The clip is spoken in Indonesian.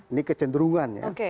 ini kecenderungan ya